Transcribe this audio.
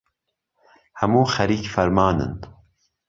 هەموو خەریک فرمانن